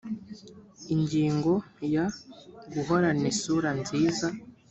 ingingo ya guhorana isura nziza